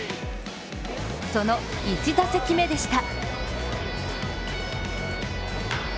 その１打席目でした。